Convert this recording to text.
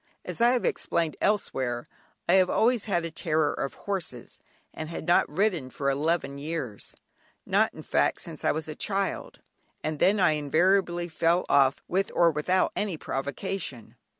As I have explained elsewhere, I have always had a terror of horses, and had not ridden for eleven years, not in fact since I was a child, and then I invariably fell off with or without any provocation.